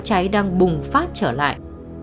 đám cháy đang bùng phát trở lại